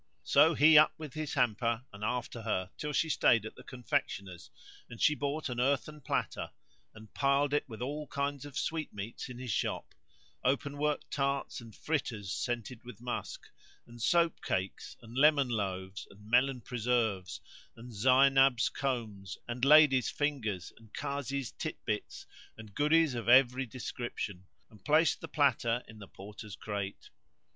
So he up with his hamper and after her till she stayed at the confectioner's, and she bought an earthen platter, and piled it with all kinds of sweetmeats in his shop, open worked tarts and fritters scented with musk and "soap cakes," and lemon loaves and melon preserves,[FN#143] and "Zaynab's combs," and "ladies' fingers," and "Kazi's tit bits" and goodies of every description; and placed the platter in the Porter's crate.